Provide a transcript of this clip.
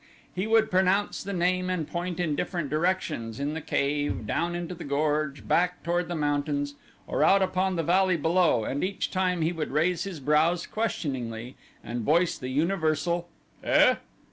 He would pronounce the name and point in different directions, in the cave, down into the gorge, back toward the mountains, or out upon the valley below, and each time he would raise his brows questioningly and voice the universal "eh?"